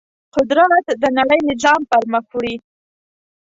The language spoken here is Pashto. قدرت د نړۍ نظام پر مخ وړي.